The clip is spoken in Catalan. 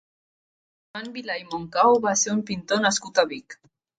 Joan Vilà i Moncau va ser un pintor nascut a Vic.